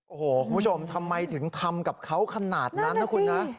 โอ้โหคุณผู้ชมทำไมถึงทำกับเขาขนาดนั้นนะคุณนะ